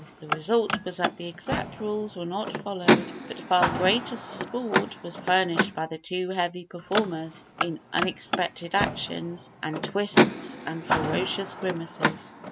The result was that the exact rules were not followed but far greater sport was furnished by the two heavy performers in unexpected actions and twists and ferocious grimaces.